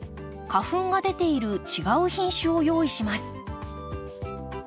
花粉が出ている違う品種を用意します。